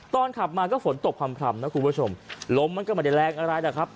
ขับมาก็ฝนตกพร่ำนะคุณผู้ชมลมมันก็ไม่ได้แรงอะไรนะครับ